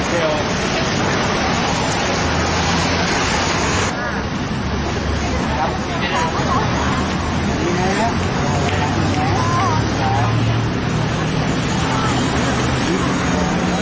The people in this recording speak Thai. สวัสดีครับ